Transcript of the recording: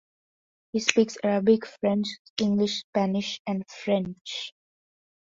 He speaks Arabic, English, Spanish and French.